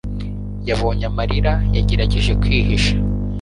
yabonye amarira yagerageje kwihisha